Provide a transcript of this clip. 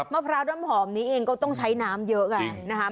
มะพร้าวน้ำหอมนี้เองก็ต้องใช้น้ำเยอะไงนะครับ